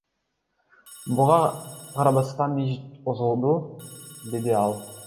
Буга карабастан иш козголду, — деди ал.